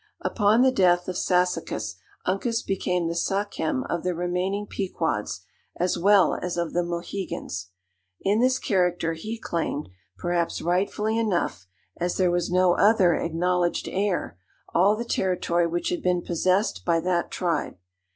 Upon the death of Sassacus, Uncas became the sachem of the remaining Pequods, as well as of the Mohegans. In this character he claimed, perhaps rightfully enough, as there was no other acknowledged heir, all the territory which had been possessed by that tribe.